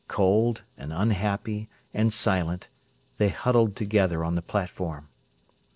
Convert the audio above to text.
Cold, and unhappy, and silent, they huddled together on the platform.